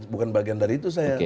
bukan bagian dari itu saya kira